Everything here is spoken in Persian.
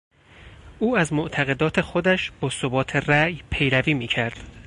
او از معتقدات خودش با ثبات رای پیروی میکرد.